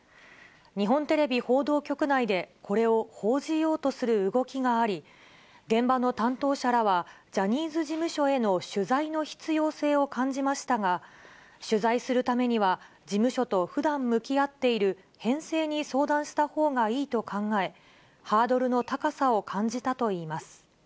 日本テレビ報道局内で、これを報じようとする動きがあり、現場の担当者らは、ジャニーズ事務所への取材の必要性を感じましたが、取材するためには、事務所とふだん向き合っている編成に相談したほうがいいと考え、ハードルの高さを感じたといいます。